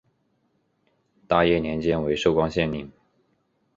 大业年间为寿光县令。